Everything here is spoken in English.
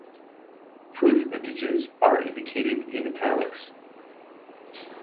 Proof mintages are indicated in "italics".